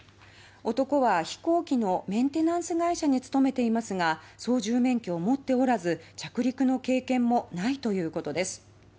男は飛行機のメンテナンス会社に勤めていますが操縦免許を持っておらず着陸の経験もないということです。